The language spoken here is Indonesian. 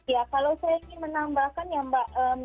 ya kalau saya ingin menambahkan ya mbak